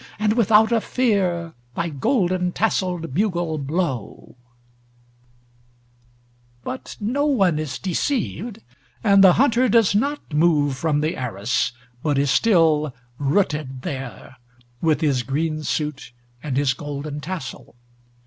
and without a fear Thy golden tasseled bugle blow" But no one is deceived, and the hunter does not move from the arras, but is still "rooted there," with his green suit and his golden tassel.